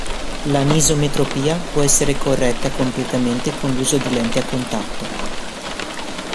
L'anisometropia può essere corretta completamente con l'uso di lenti a contatto.